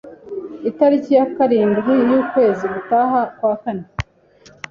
itariki ya karindwi y'ukwezi gutaha kwa kane